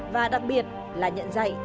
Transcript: và đặc biệt là nhận dạy